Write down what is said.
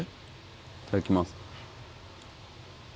いただきます。